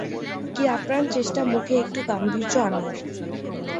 কী আপ্রাণ চেষ্টা মুখে একটু গাম্ভীর্য আনার!